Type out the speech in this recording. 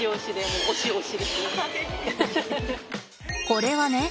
これはね